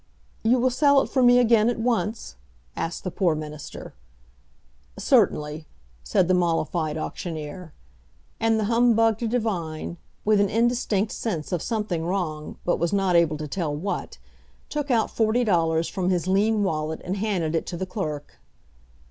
"You will sell it for me again at once?" asked the poor minister. "Certainly," said the mollified auctioneer. And the humbugged divine, with an indistinct sense of something wrong, but not able to tell what, took out forty dollars from his lean wallet and handed it to the clerk.